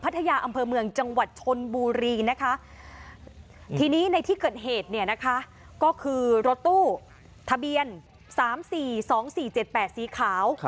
ทีนี้ในที่เกิดเหตุเนี่ยนะคะก็คือรถตู้ทะเบียน๓๔๒๔๗๘สีขาว